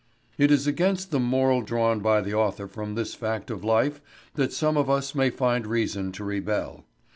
It is against the moral drawn by the author from this fact of life that some of us may find reason to rebel.